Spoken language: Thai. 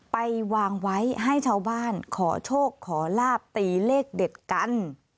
ไปวางไว้ให้ชาวบ้านขอโชคขอลาบตีเลขเด็ดกัน